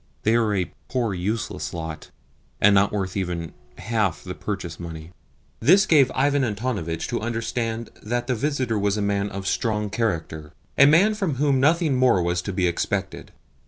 They are a poor, useless lot, and not worth even half the purchase money." This gave Ivan Antonovitch to understand that the visitor was a man of strong character a man from whom nothing more was to be expected.